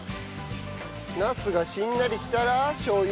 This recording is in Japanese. ナスがしんなりしたらしょう油。